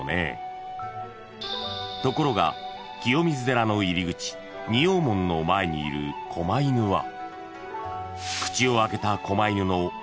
［ところが清水寺の入り口仁王門の前にいるこま犬は］